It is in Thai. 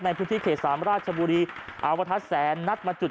ในพื้นที่เขตสามราชบุรีอาวทัศน์แสนนัดมาจุด